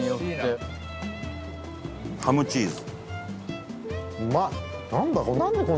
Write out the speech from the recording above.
伊達：ハムチーズ。